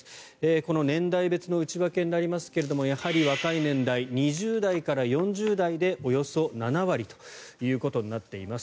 この年代別の内訳になりますけどやはり若い年代２０代から４０代でおよそ７割ということになっています。